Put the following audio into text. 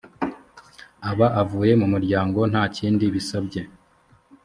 aba avuye mu muryango nta kindi bisabye